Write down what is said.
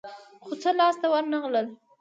خو څه لاس ته ورنه غلل.